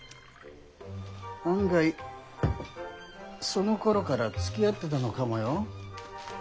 案外そのころからつきあってたのかもよ